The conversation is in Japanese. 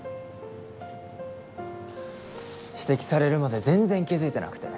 指摘されるまで全然気付いてなくて。